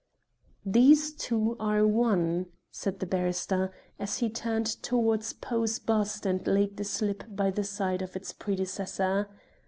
"These two are one," said the barrister, as he turned towards Poe's bust and laid the slip by the side of its predecessor.